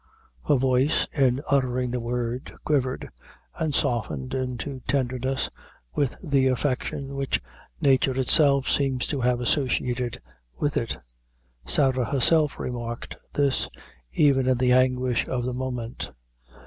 Her voice, in uttering the word, quivered, and softened into tenderness, with the affection which nature itself seems to have associated with it. Sarah herself remarked this, even in the anguish of the moment.